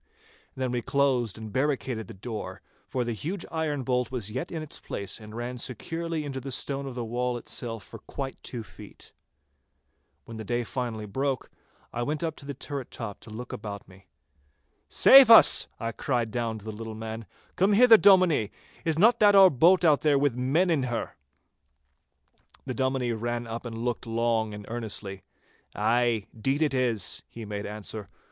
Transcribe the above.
Then we closed and barricaded the door, for the huge iron bolt was yet in its place and ran securely into the stone of the wall itself for quite two feet. When the day broke fully, I went up to the turret top to look about me. 'Save us!' I cried down to the little man. 'Come hither, Dominie. Is not that our boat out there with men in her?' The Dominie ran up and looked long and earnestly. 'Ay, deed is it that,' he made answer.